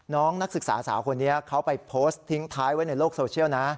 นักศึกษาสาวคนนี้เขาไปโพสต์ทิ้งท้ายไว้ในโลกโซเชียลนะ